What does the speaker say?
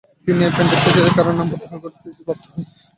তিনি অ্যাপেন্ডিসাইটিসের কারণে নাম প্রত্যাহার করে নিতে বাধ্য হন।